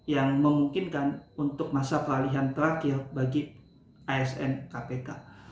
yang memungkinkan untuk masa peralihan terakhir bagi asn kpk